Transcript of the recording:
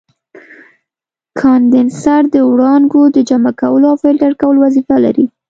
کاندنسر د وړانګو د جمع کولو او فلټر کولو وظیفه لري.